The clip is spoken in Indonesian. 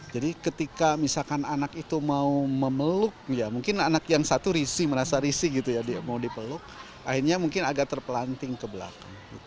jadi ketika misalkan anak itu mau memeluk ya mungkin anak yang satu risih merasa risih gitu ya dia mau dipeluk akhirnya mungkin agak terpelanting ke belakang